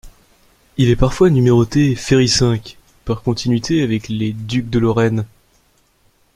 Il est parfois numéroté Ferry V par continuité avec les ducs de Lorraine.